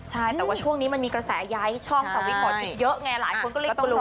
ใช่แต่ว่าช่วงนี้มันมีกระแสย้ายช่องจากวิกหมอชิดเยอะไงหลายคนก็เลยตกลง